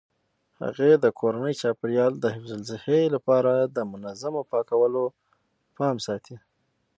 هغې د کورني چاپیریال د حفظ الصحې لپاره د منظمو پاکولو پام ساتي.